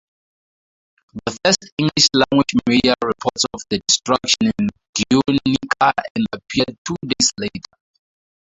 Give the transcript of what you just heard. The first English-language media reports of the destruction in Guernica appeared two days later.